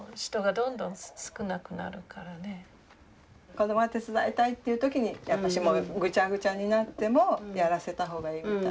子どもが手伝いたいっていう時にグチャグチャになってもやらせた方がいいみたい。